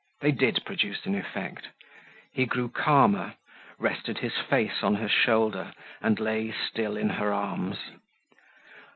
They did produce an effect: he grew calmer, rested his face on her shoulder, and lay still in her arms.